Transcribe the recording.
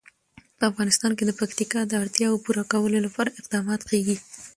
په افغانستان کې د پکتیکا د اړتیاوو پوره کولو لپاره اقدامات کېږي.